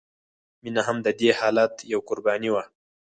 مینه هم د دې حالت یوه قرباني وه